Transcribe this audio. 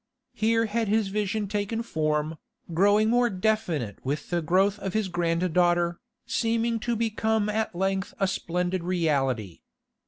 Here had his vision taken form, growing more definite with the growth of his granddaughter, seeming to become at length a splendid reality.